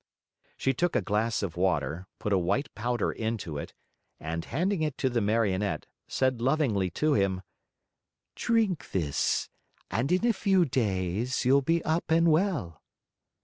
She took a glass of water, put a white powder into it, and, handing it to the Marionette, said lovingly to him: "Drink this, and in a few days you'll be up and well."